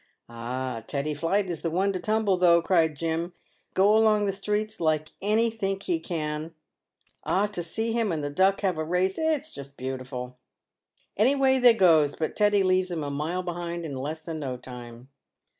" Ah, Teddy Flight is the one to tumble, though !" cried Jim, " go along the streets like any think, he can ! Ah, to see him and the Duck have a race, it is just beautiful ! Away they goes, but Teddy leaves him a mile behind in less than no time."